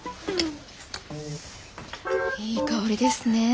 いい香りですね。